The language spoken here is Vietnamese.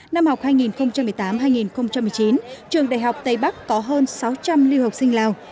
năm học hai nghìn một mươi tám hai nghìn một mươi chín trường đại học tây bắc có hơn sáu trăm linh lưu học sinh lào